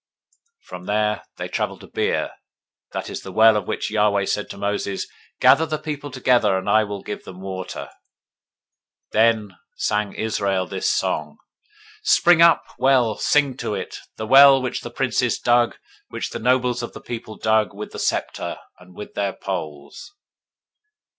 021:016 From there they traveled to Beer: that is the well of which Yahweh said to Moses, Gather the people together, and I will give them water. 021:017 Then sang Israel this song: "Spring up, well; sing to it: 021:018 the well, which the princes dug, which the nobles of the people dug, with the scepter, and with their poles."